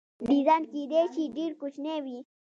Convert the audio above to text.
ډیزاین کیدای شي ډیر کوچنی وي.